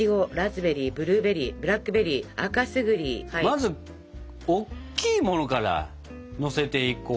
まずおっきいものからのせていこうかね。